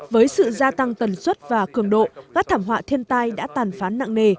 với sự gia tăng tần suất và cường độ các thảm họa thiên tai đã tàn phán nặng nề